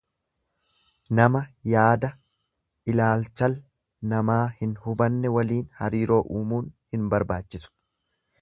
Nama yaadailaalchal namaa hin hubanne waliin hariiroo uumuun hin barbaachisu.